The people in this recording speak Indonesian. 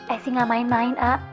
esi gak main main ah